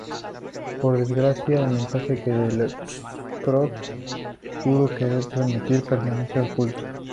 Por desgracia, el mensaje que Delacroix pudo querer transmitir permanece oculto.